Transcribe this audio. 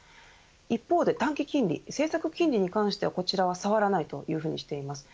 一方で短期金利、政策金利に関しては触らないというふうにしています。